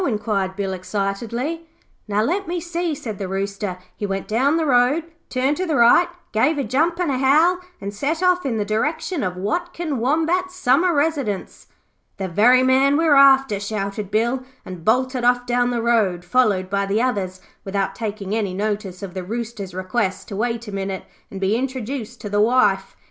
inquired Bill excitedly. 'Now, let me see,' said the Rooster. 'He went down the road, turned to the right, gave a jump and a howl, and set off in the direction of Watkin Wombat's summer residence.' 'The very man we're after,' shouted Bill, and bolted off down the road, followed by the others, without taking any notice of the Rooster's request to wait a minute and be introduced to the wife.